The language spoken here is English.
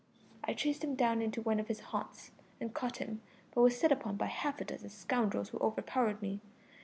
I chased him down into one of his haunts, and caught him, but was set upon by half a dozen scoundrels who overpowered me.